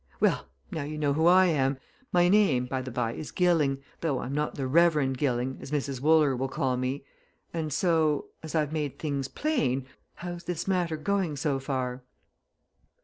Well, now you know who I am my name, by the bye is Gilling, though I'm not the Reverend Gilling, as Mrs. Wooler will call me. And so as I've made things plain how's this matter going so far?"